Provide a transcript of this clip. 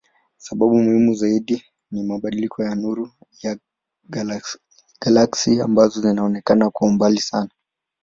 Sababu muhimu zaidi ni mabadiliko ya nuru ya galaksi ambazo zinaonekana kuwa mbali sana.